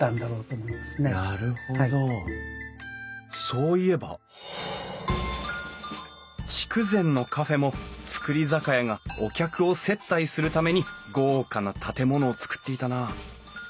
そういえば筑前のカフェも造り酒屋がお客を接待するために豪華な建物を造っていたな。